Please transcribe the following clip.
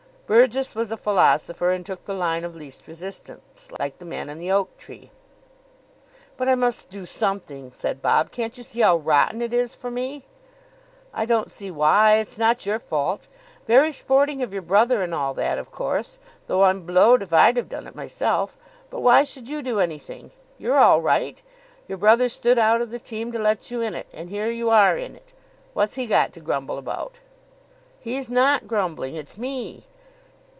Burgess was a philosopher, and took the line of least resistance, like the man in the oak tree. "But I must do something," said Bob. "Can't you see how rotten it is for me?" "I don't see why. It's not your fault. Very sporting of your brother and all that, of course, though I'm blowed if I'd have done it myself; but why should you do anything? You're all right. Your brother stood out of the team to let you in it, and here you are, in it. What's he got to grumble about?" "He's not grumbling. It's me."